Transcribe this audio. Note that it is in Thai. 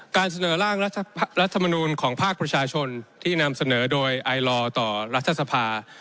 การเสนอร่างรัฐมนูลของภาคประชาชนที่นำเสนอโดยไอลอร์ต่อรัฐสภา